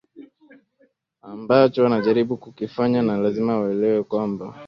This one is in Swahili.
anmbacho wanajaribu kukifanya na ni lazima waelewe kwamba